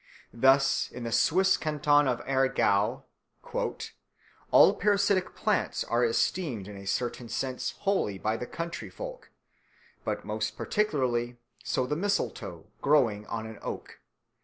Thus, in the Swiss canton of Aargau "all parasitic plants are esteemed in a certain sense holy by the country folk, but most particularly so the mistletoe growing on an oak.